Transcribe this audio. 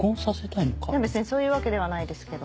いや別にそういうわけではないですけど。